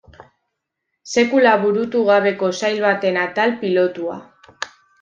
Sekula burutu gabeko sail baten atal pilotua.